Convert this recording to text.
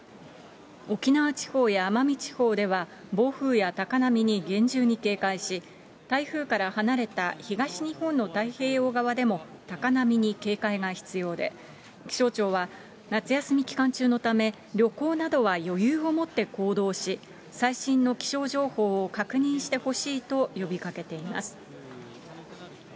沖縄地方や奄美地方では、暴風や高波に厳重に警戒し、台風から離れた東日本の太平洋側でも、高波に警戒が必要で、気象庁は夏休み期間中のため、旅行などは余裕をもって行動し、最新の気象情報を確認してほしいと呼びかけています。